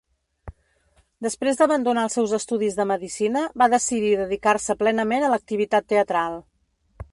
Després d'abandonar els seus estudis de medicina, va decidir dedicar-se plenament a l'activitat teatral.